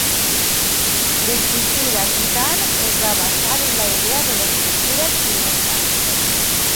L'escriptura kitan es va basar en la idea de l'escriptura xinesa.